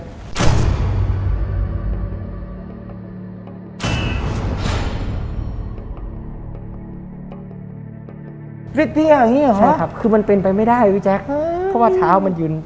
เรียกเตี้ยอย่างนี้หรอใช่ครับคือมันเป็นไปไม่ได้พี่แจ๊คเพราะว่าเท้ามันยืน